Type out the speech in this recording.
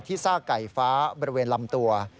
ซากไก่ฟ้าบริเวณลำตัว